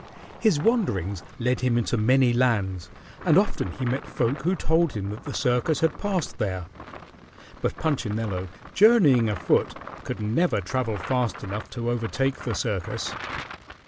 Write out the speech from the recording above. His wanderings led him into many lands, and often he met folk who told him that the circus had passed there. But Punchinello, journeying afoot, could never travel fast enough to overtake the circus.